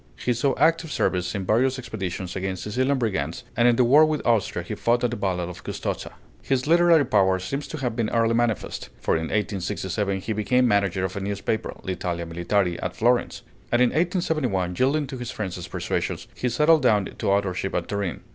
He saw active service in various expeditions against Sicilian brigands; and in the war with Austria he fought at the battle of Custozza. His literary power seems to have been early manifest; for in 1867 he became manager of a newspaper, L'Italia Militare, at Florence; and in 1871, yielding to his friends' persuasions, he settled down to authorship at Turin.